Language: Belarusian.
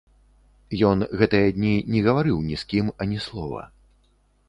Ён гэтыя дні не гаварыў ні з кім ані слова.